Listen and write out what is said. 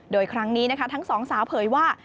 โดยครั้งนี้นะคะทั้งสองสาวเผยว่า